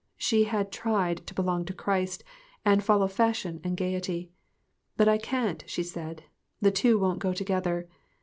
She had tried to belong to Christ, and follow fashion and gaiety. "But I can't," she said; "the two won't go together."